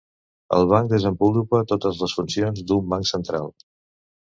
El Banc desenvolupa totes les funcions d'un banc central.